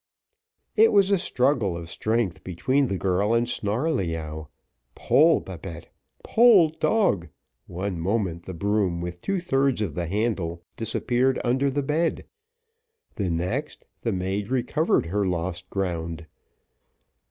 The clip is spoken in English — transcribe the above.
It was a struggle of strength between the girl and Snarleyyow pull, Babette pull, dog one moment the broom, with two thirds of the handle, disappeared under the bed, the next the maid recovered her lost ground.